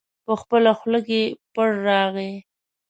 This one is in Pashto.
په خپله خوله کې پړ راغی.